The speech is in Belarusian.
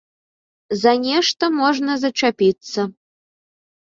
За нешта можна зачапіцца.